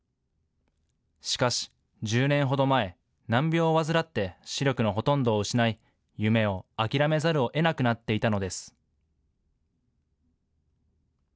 しかし１０年ほど前、難病を患って視力のほとんどを失い、夢を諦めざるをえなくなっていたのです。